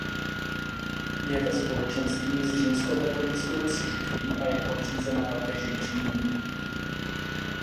Je ve společenství s Římskokatolickou církví a je podřízena papeži v Římě.